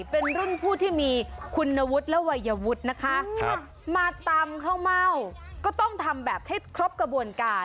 เป็นรุ่นผู้ที่มีคุณวุฒิและวัยวุฒินะคะมาตำข้าวเม่าก็ต้องทำแบบให้ครบกระบวนการ